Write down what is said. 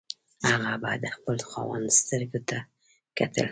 هغه به د خپل خاوند سترګو ته کتل.